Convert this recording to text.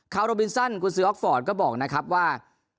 คาลโรบินซันคุณศืออ๊อกฟอร์นก็บอกนะครับว่า